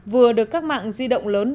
vừa được các mạng di động lớn